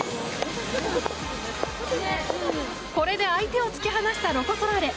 これで相手を突き放したロコ・ソラーレ。